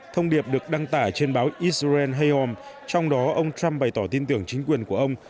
thông điệp được đăng tả trên báo israel hayom trong đó ông trump bày tỏ tin tưởng chính quyền của ông